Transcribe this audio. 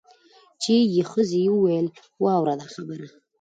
چي یې ښځي ویل واوره دا خبره